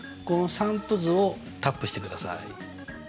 この散布図をタップしてください。